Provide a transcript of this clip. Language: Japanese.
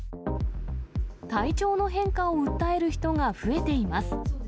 体調の変化を訴える人が増えています。